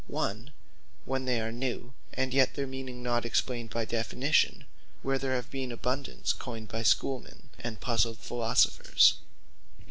One, when they are new, and yet their meaning not explained by Definition; whereof there have been aboundance coyned by Schoole men, and pusled Philosophers.